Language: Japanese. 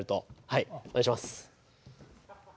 はいお願いします。